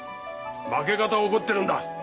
負け方を怒ってるんだ。